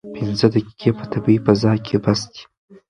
پنځه دقیقې په طبیعي فضا کې بس دي.